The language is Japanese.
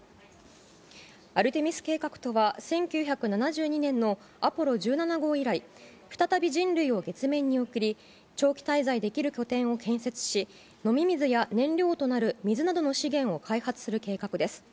アルテミス計画とは、１９７２年のアポロ１７号以来、再び人類を月面に送り、長期滞在できる拠点を建設し、飲み水や燃料となる水などの資源を開発する計画です。